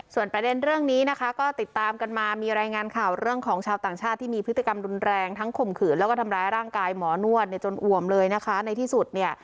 ส่วนประเด็นเรื่องนี้นะคะก็ติดตามกันมามีรายงานข่าวเรื่องของชาวต่างชาติที่มีพฤติกรรมรุนแรงทั้งข่มขืนแล้วก็ทำร้ายร่างกายหมอนวดเนี่ยจนอ่วมเลยนะคะในที่สุดเนี่ย